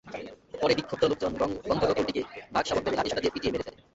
পরে বিক্ষুব্ধ লোকজন গন্ধগোকুলটিকে বাঘশাবক ভেবে লাঠিসোঁটা দিয়ে পিটিয়ে মেরে ফেলে।